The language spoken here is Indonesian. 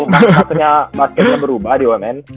pasalnya basketnya berubah di umn